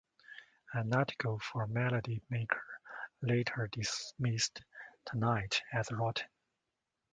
An article for "Melody Maker" later dismissed "Tonight" as "rotten".